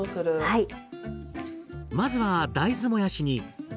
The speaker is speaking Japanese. はい。